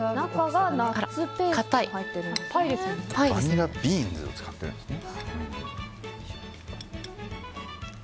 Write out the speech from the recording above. バニラビーンズを使っているんですね。